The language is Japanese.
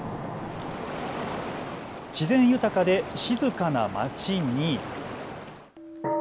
自然豊かで静かな町に。